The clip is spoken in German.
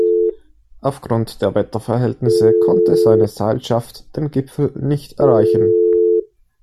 Aufgrund der Wetterverhältnisse konnte seine Seilschaft den Gipfel nicht erreichen.